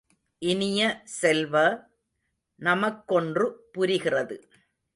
இனிய செல்வ, நமக்கொன்று புரிகிறது.